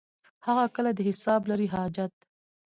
هغه کله د حساب لري حاجت.